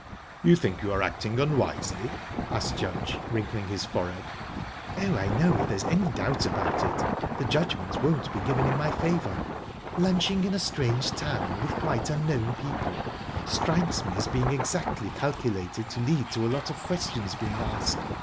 "You think you are acting unwisely?" asked Judge, wrinkling his forehead. "Oh, I know if there's any doubt about it the judgement won't be given in my favour. Lunching in a strange town, with quite unknown people, strikes me as being exactly calculated to lead to a lot of questions being asked.